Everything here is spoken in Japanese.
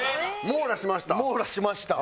網羅しました。